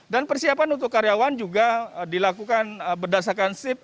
dan persiapan untuk karyawan juga dilakukan berdasarkan sip